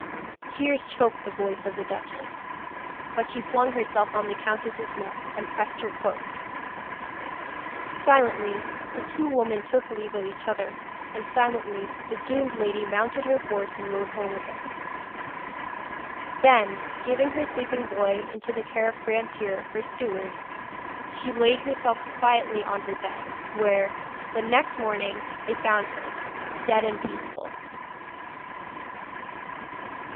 Tears choked the voice of the duchess, but she flung herself on the countess's neck, and pressed her close. Silently the two women took leave of each other, and silently the doomed lady mounted her horse and rode home again. Then, giving her sleeping boy into the care of Francoeur, her steward, she laid herself quietly on her bed, where, the next morning, they found her dead and peaceful.